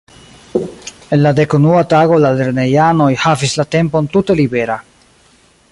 En la dekunua tago la lernejanoj havis la tempon tute libera.